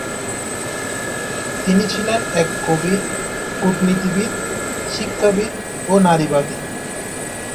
তিনি ছিলেন এক কবি, কূটনীতিবিদ, শিক্ষাবিদ ও নারীবাদী।